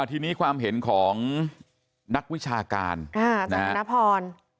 ทีนี้ความเห็นของนักวิชาการแต่ธนพร